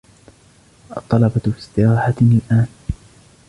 الطلبة في استراحة الآن.